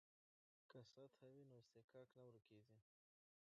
که سطح وي نو اصطکاک نه ورکیږي.